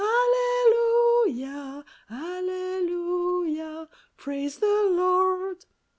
Alleluia ! Alleluia ! Praise the Lord